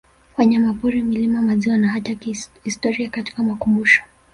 Wanyamapori milima maziwa na hata historia katika makumbusho